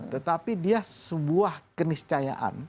tetapi dia sebuah keniscayaan